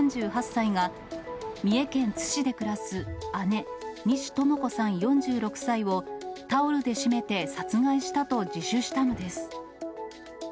３８歳が、三重県津市で暮らす姉、西トモ子さん４６歳を、タオルで絞めて殺害したと自首したのです。